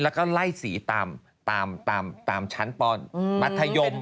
แล้วก็ไล่สีตามชั้นปัธยม